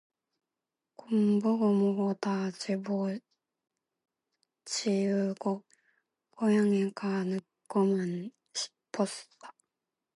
공부고 뭐고 다 집어치우고 고향에 가 눕고만 싶었다.